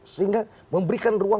sehingga memberikan ruang